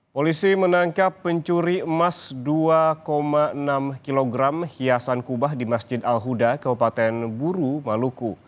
polisi menangkap pencuri emas dua enam kg hiasan kubah di masjid al huda kabupaten buru maluku